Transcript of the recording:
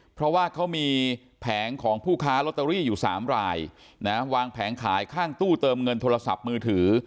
เพราะว่าเขามีแผงของผู้ค้าลอตเตอรี่อยู่๓รายนะวางแผงขายข้างตู้เติมเงินโทรศัพท์มือถือ